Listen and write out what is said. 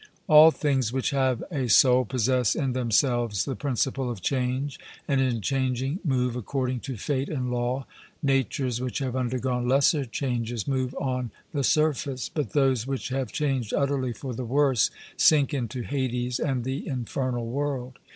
All things which have a soul possess in themselves the principle of change, and in changing move according to fate and law; natures which have undergone lesser changes move on the surface; but those which have changed utterly for the worse, sink into Hades and the infernal world.